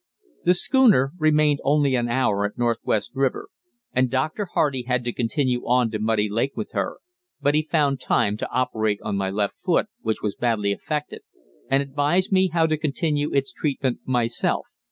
The schooner remained only an hour at Northwest River, and Dr. Hardy had to continue on to Muddy Lake with her, but he found time to operate on my left foot, which was badly affected, and advise me how to continue its treatment myself.